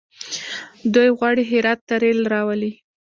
دوی غواړي هرات ته ریل راولي.